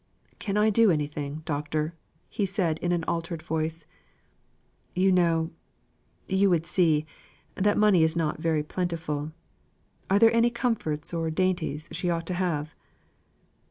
"Can I do anything, Doctor?" he asked, in an altered voice. "You know you would see, that money is not very plentiful, are there any comforts or dainties she ought to have?"